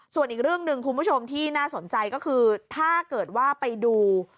ส่วนอีกเรื่องหนึ่งคุณผู้ชมที่น่าสนใจก็คือถ้าเกิดว่าไปดู